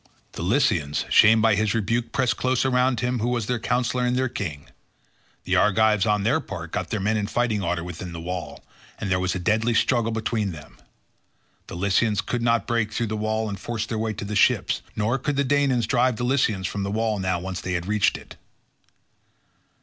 The Lycians, shamed by his rebuke, pressed closer round him who was their counsellor and their king. The Argives on their part got their men in fighting order within the wall, and there was a deadly struggle between them. The Lycians could not break through the wall and force their way to the ships, nor could the Danaans drive the Lycians from the wall now that they had once reached it.